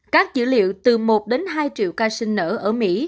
các dữ liệu từ một hai triệu ca sinh nở